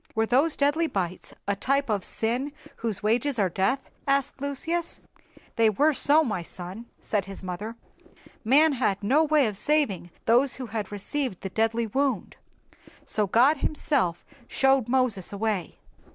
"Were those deadly bites a type of sin whose wages are death?" asked Lucius. "They were so, my son," said his mother. "Man had no way of saving those who had received the deadly wound, so God himself showed Moses a way.